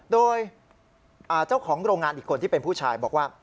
โดยเจ้าของโรงงานอีกคนที่เป็นผู้ชายบอกว่า